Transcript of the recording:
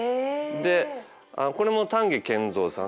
でこれも丹下健三さん